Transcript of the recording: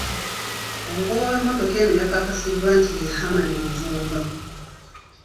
Omugoba w'emmotoka eno yakakasiddwa nti ye Haman Rujjumba.